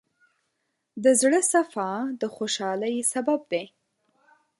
د زړۀ صفا د خوشحالۍ سبب دی.